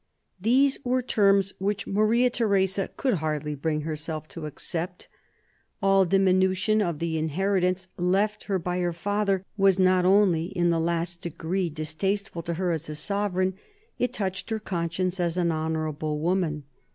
These were terms which Maria Theresa could hardly bring herself to accept. All diminution of the inherit ance left her by her father was not only in the last degree distasteful to her as a sovereign, it touched her conscience as an honourable woman.